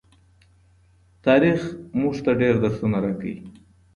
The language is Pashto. تاریخ مونږ ته ډیر درسونه راکوي.